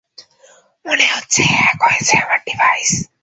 মনে হচ্ছে, হ্যাক হয়েছে আমার ডিভাইস।